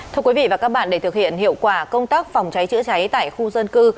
thưa quý vị và các bạn để thực hiện hiệu quả công tác phòng cháy chữa cháy tại khu dân cư